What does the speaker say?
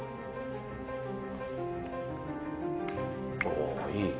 おおいい。